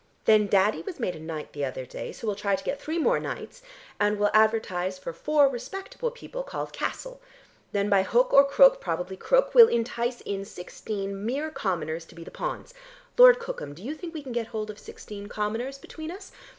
Then Daddy was made a knight the other day, so we'll try to get three more knights, and we'll advertise for four respectable people called Castle. Then by hook or crook, probably crook, we'll entice in sixteen mere commoners to be the pawns. Lord Cookham, do you think we can get hold of sixteen commoners between us?